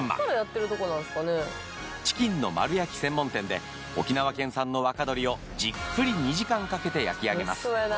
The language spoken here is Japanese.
チキンの丸焼き専門店で沖縄県産の若鶏をじっくり２時間かけて焼き上げます。